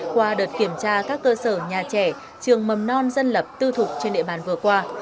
qua đợt kiểm tra các cơ sở nhà trẻ trường mầm non dân lập tư thục trên địa bàn vừa qua